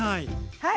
はい。